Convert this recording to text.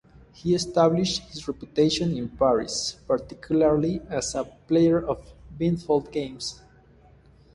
He established his reputation in Paris, particularly as a player of blindfold games.